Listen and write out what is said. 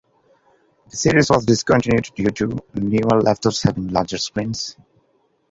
The series was discontinued due to newer laptops having larger screens.